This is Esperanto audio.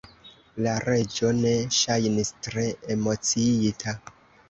La Reĝo ne ŝajnis tre emociita.